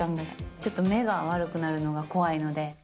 ちょっと目が悪くなるのが怖いので。